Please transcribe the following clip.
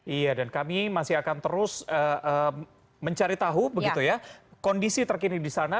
iya dan kami masih akan terus mencari tahu begitu ya kondisi terkini di sana